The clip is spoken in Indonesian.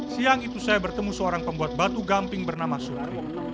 siang itu saya bertemu seorang pembuat batu gamping bernama sutri